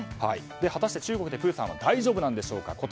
果たして、中国でプーさんは大丈夫なんでしょうか。